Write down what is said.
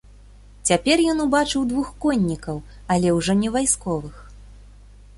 Цяпер ён убачыў двух коннікаў, але ўжо не вайсковых.